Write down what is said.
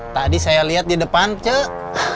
tadi saya lihat di depan cek